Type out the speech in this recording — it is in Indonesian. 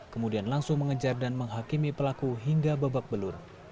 kemudian langsung mengejar dan menghakimi pelaku hingga babak belur